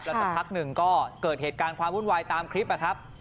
สักพักหนึ่งก็เกิดเหตุการณ์ความวุ่นวายตามคลิปนะครับ